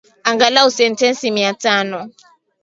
Angalau sentesi mia tano